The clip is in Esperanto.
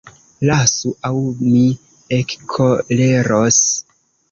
Lasu, aŭ mi ekkoleros!